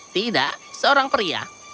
tidak seorang pria